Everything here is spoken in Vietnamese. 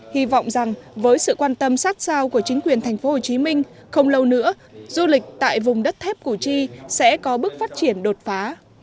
hy vọng rằng với sự quan tâm sát sao của chính quyền tp hcm không lâu nữa du lịch tại vùng đất thép cổ chi sẽ có bước phát triển đột phá